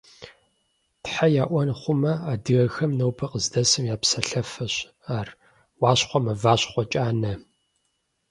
Тхьэ яӀуэн хъумэ, адыгэхэм нобэр къыздэсым я псалъафэщ ар – «Уащхъуэ мыващхъуэ кӀанэ!».